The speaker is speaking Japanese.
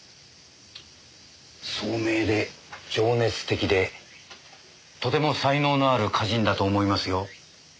聡明で情熱的でとても才能のある歌人だと思いますよ。